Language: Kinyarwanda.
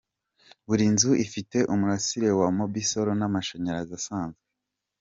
Buri nzu ifite umurasire wa Mobisol n’amashanyarazi asanzwe.